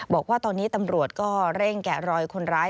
บอกว่าตอนนี้ตำรวจก็เร่งแกะรอยคนร้าย